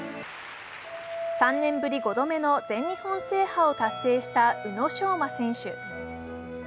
３年ぶり５度目の全日本制覇を達成した宇野昌磨選手。